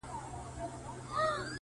يوه څړيکه هوارې ته ولاړه ده حيرانه;